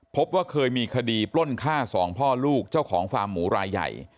พบว่าเคยมีคดีปล้นฆ่าสองพ่อลูกเจ้าของฟาร์มหมูรายใหญ่